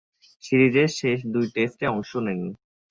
সিরিজের শেষ দুই টেস্টে অংশ নেন।